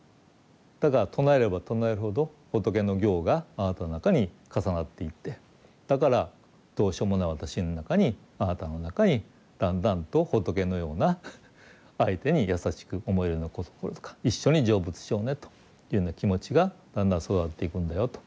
だから唱えれば唱えるほど仏の行があなたの中に重なっていってだからどうしようもない私の中にあなたの中にだんだんと仏のような相手に優しく思えるような心とか一緒に成仏しようねというような気持ちがだんだん育っていくんだよと。